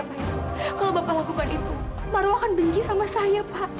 marwa akan pergi sama saya pak